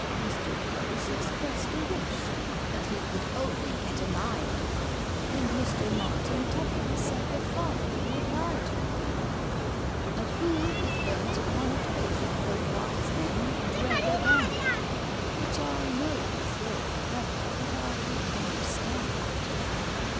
MISTER CLOSE expressed a wish that he could only get anigh to me; And MISTER MARTIN TUPPER sent the following reply to me: "A fool is bent upon a twig, but wise men dread a bandit,"— Which I know was very clever; but I didn't understand it.